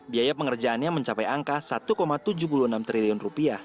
biaya pengerjaannya mencapai angka rp satu tujuh puluh enam triliun